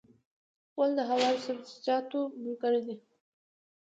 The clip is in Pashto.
غول د هوارو سبزیجاتو ملګری دی.